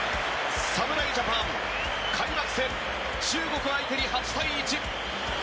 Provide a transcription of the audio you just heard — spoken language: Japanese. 侍ジャパン開幕戦中国相手に８対１。